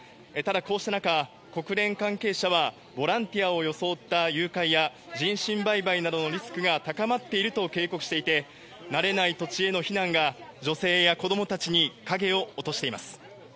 ただ、こうした中、国連関係者はボランティアを装った誘拐や人身売買などのリスクが高まっていると警告していて慣れない土地への避難が女性や子供たちに影を落としています。